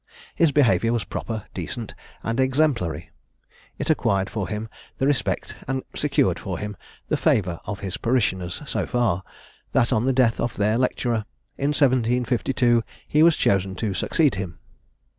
His behaviour was proper, decent, and exemplary. It acquired for him the respect and secured for him the favour of his parishioners so far, that on the death of their lecturer, in 1752, he was chosen to succeed him.